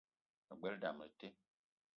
Me gbelé dam le te